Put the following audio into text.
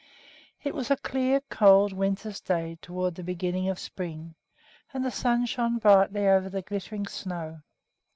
It was a clear, cold winter's day toward the beginning of spring, and the sun shone brightly over the glittering snow.